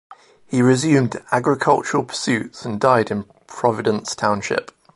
He resumed agricultural pursuits, and died in Providence Township.